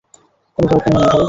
কোনো দরকার নেই, ভাই।